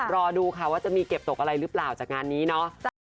รอดูค่ะว่าจะมีเก็บตกอะไรหรือเปล่าจากงานนี้เนาะ